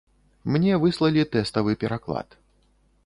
Мне выслалі тэставы пераклад.